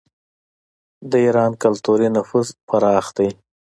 د ایران کلتوري نفوذ پراخ دی.